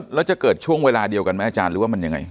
แล้วจะเกิดช่วงเวลาเดียวกันไหมอาจารย์หรือว่ามันยังไง